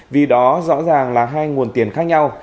vì đó rõ ràng là hai nguồn tiền khác nhau